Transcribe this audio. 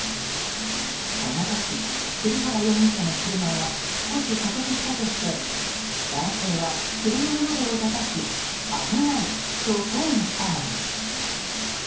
この時、栗原容疑者の車が少し加速したとして男性は車の窓をたたき危ないと抗議したのです。